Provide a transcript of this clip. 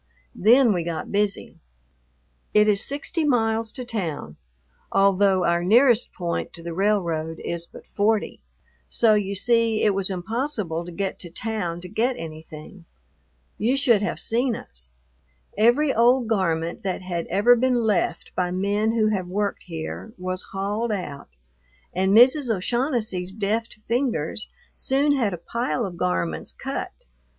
Then we got busy. It is sixty miles to town, although our nearest point to the railroad is but forty, so you see it was impossible to get to town to get anything. You should have seen us! Every old garment that had ever been left by men who have worked here was hauled out, and Mrs. O'Shaughnessy's deft fingers soon had a pile of garments cut.